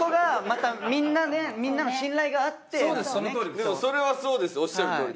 でもそれはそうですおっしゃるとおり。